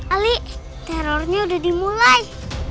ali terornya udah dimulai